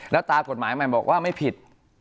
แล้วตากฎหมายใหม่บอกว่าไม่ผิด